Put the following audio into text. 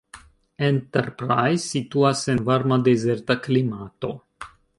Enterprise situas en varma dezerta klimato.